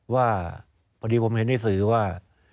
ว่าพอดีผมเห็นในสื่อว่า